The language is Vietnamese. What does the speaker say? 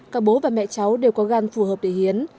cả bố và mẹ cháu đều có gan phù hợp để hiến